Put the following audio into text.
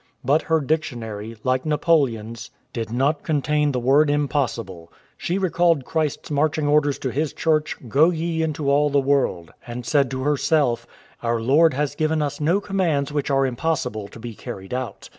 But her dictionary, like Napoleon's, did not contain the word 77 TIBETAN SUSPICIONS "impossible." She recalled Christ's marching orders to His Church, " Go ye into all the world !*" and said to her self, "Our Lord has given us no commands which are impossible to be carried out.""